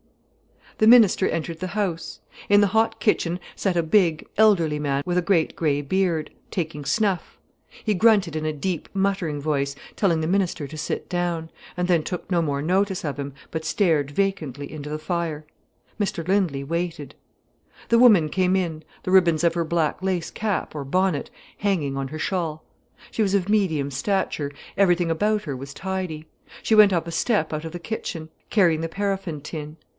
The minister entered the house. In the hot kitchen sat a big, elderly man with a great grey beard, taking snuff. He grunted in a deep, muttering voice, telling the minister to sit down, and then took no more notice of him, but stared vacantly into the fire. Mr Lindley waited. The woman came in, the ribbons of her black lace cap, or bonnet, hanging on her shawl. She was of medium stature, everything about her was tidy. She went up a step out of the kitchen, carrying the paraffin tin.